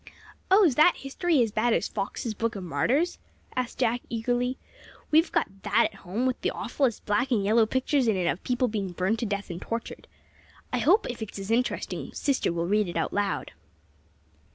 "O, is that history as bad as 'Fox's Book of Martyrs?'" asked Jack, eagerly. "We've got that at home, with the awfullest black and yellow pictures in it of people being burned to death and tortured. I hope, if it is as interesting, sister will read it out loud."